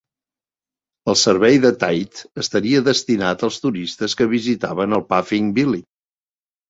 El servei de Tait estaria destinat als turistes que visitaven el Puffing Billy.